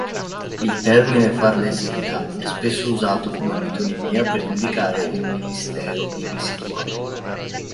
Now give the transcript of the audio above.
Il termine "Farnesina" è spesso usato come metonimia per indicare il ministero ivi situato.